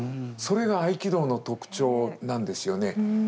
それが合気道の特徴なんですよね。